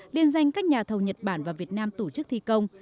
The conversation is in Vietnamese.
liên danh các nhà thầu nhật bản và việt nam tổ chức thi công